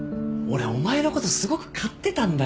俺お前のことすごく買ってたんだよ。